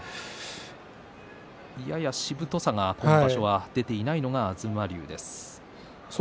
しぶとさが今場所は出ていない東龍です。